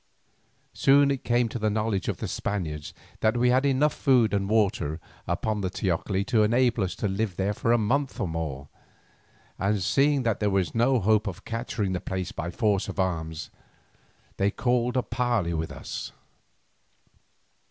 Soon it came to the knowledge of the Spaniards that we had enough food and water upon the teocalli to enable us to live there for a month or more, and seeing that there was no hope of capturing the place by force of arms, they called a parley with us.